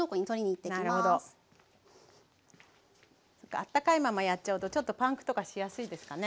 あったかいままやっちゃうとちょっとパンクとかしやすいですかね？